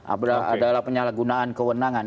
apakah adalah penyalahgunaan kewenangan